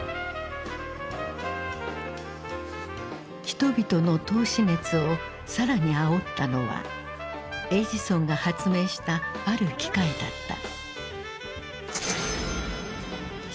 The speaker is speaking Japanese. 人々の投資熱を更にあおったのはエジソンが発明したある機械だった。